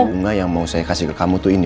bunga yang mau saya kasih ke kamu tuh ini